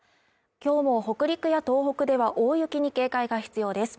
今日も北陸や東北では大雪に警戒が必要です